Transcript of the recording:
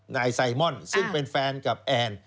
นายไซมอนซึ่งเป็นแฟนกับแอน